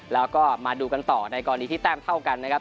แล้วก็มาดูกันต่อในกรณีที่แต้มเท่ากันนะครับ